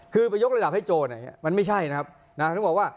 คือไปยกระดับให้โจรมันไม่ใช่นะครับ